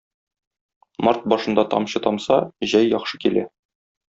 Март башында тамчы тамса, җәй яхшы килә.